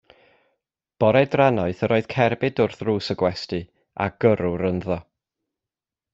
Bore drannoeth yr oedd cerbyd wrth ddrws y gwesty, a gyrrwr ynddo.